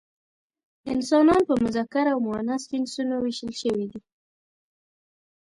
انسانان په مذکر او مؤنث جنسونو ویشل شوي.